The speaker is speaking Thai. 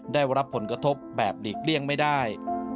ได้รับผลกระทบแบบหลีกเลี่ยงไม่ได้